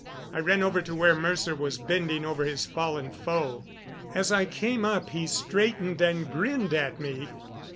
I ran over to where Mercer was bending over his fallen foe. As I came up he straightened and grinned at me.